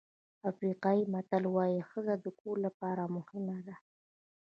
افریقایي متل وایي ښځه د کور لپاره مهمه ده.